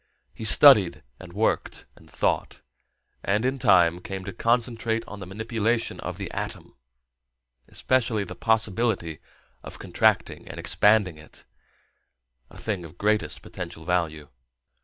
He studied and worked and thought, and in time came to concentrate on the manipulation of the atom, especially the possibility of contracting and expanding it a thing of greatest potential value.